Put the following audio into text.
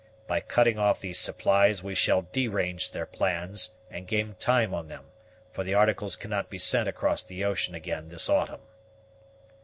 By cutting off these supplies we shall derange their plans, and gain time on them; for the articles cannot be sent across the ocean again this autumn."